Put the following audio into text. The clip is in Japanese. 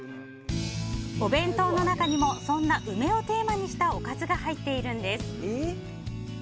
お弁当の中にもそんな梅をテーマにしたおかずが入っているんです。